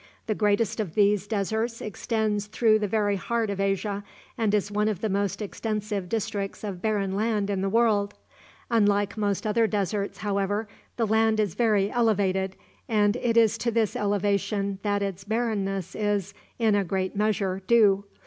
The greatest of these deserts extends through the very heart of Asia, and is one of the most extensive districts of barren land in the world. Unlike most other great deserts, however, the land is very elevated, and it is to this elevation that its barrenness is, in a great measure, due.